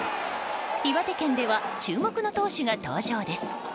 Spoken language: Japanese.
岩手県では注目の投手が登場です。